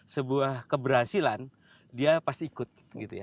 sebuah keberhasilan dia pasti ikut gitu ya